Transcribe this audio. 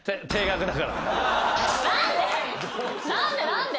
何で！？